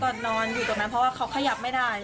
ก็นอนอยู่ตรงนั้นเพราะว่าเขาขยับไม่ได้